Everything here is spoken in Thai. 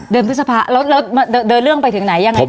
พฤษภาแล้วเดินเรื่องไปถึงไหนยังไงคะ